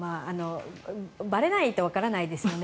ばれないとわからないですよね。